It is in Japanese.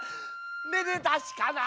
めでたしかな。